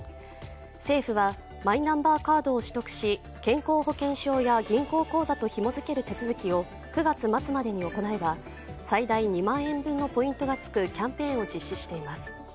政府はマイナンバーカードを取得し健康保険証や銀行口座とひもづける手続きを９月末までに行えば最大２万円分のポイントがつくキャンペーンを実施しています。